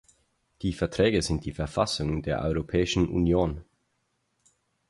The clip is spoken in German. Die Verträge sind die Verfassung der Europäischen Union.